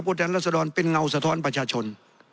แทนรัศดรเป็นเงาสะท้อนประชาชน